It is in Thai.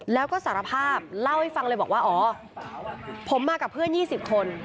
แล้วก็สารภาพเล่าให้ฟังเลยบอกว่าอ๋อผมมากับเพื่อน๒๐คน